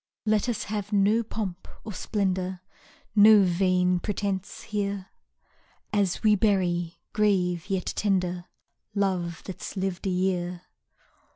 Let us have no pomp or splendour, No vain pretence here. As we bury, grave, yet tender, Love that's lived a year.